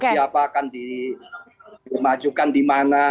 siapa akan di majukan di mana